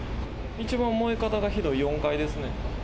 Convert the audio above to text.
一番燃え方がひどい４階ですね。